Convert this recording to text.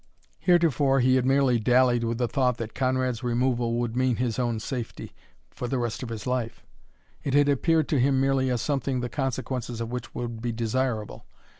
Heretofore he had merely dallied with the thought that Conrad's removal would mean his own safety, for the rest of his life. It had appeared to him merely as something the consequences of which would be desirable.